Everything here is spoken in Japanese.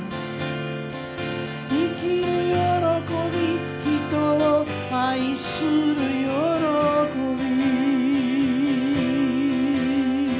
「生きる喜び人を愛する喜び」